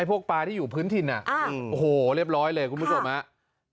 พวกปลาที่อยู่พื้นถิ่นโอ้โหเรียบร้อยเลยคุณผู้ชมครับ